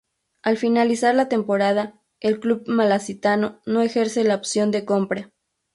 Al finalizar la temporada, el club malacitano no ejerce la opción de compra.